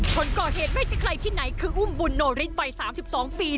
คนก่อเหตุไม่ใช่ใครที่ไหนคืออุ้มบุญโนริสวัย๓๒ปี